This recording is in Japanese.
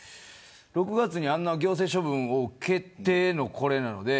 ６月に、あんな行政処分受けての、これなので。